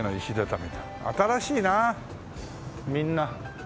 新しいなみんな。